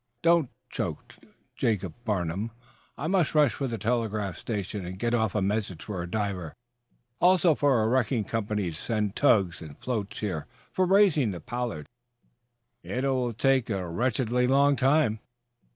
"Don't," choked Jacob Farnum. "I must rush for the telegraph station and get off a message for a diver also for a wrecking company to send tugs and floats here for raising the 'Pollard.' Yet it will take a wretchedly long time."